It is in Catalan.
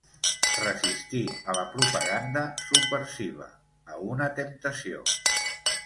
Resistir a la propaganda subversiva, a una temptació.